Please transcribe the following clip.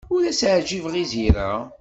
Ur as-ɛjibeɣ i Zira.